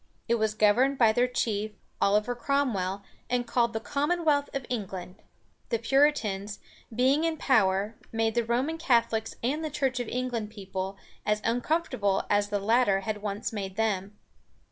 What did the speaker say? It was governed by their chief, Oliver Crom´well, and called the Commonwealth of England. The Puritans, being in power, made the Roman Catholics and the Church of England people as uncomfortable as the latter had once made them.